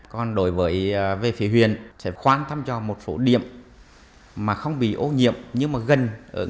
còn đối với về phía huyện sẽ khoán thăm cho một số điểm mà không bị ô nhiễm nhưng mà gần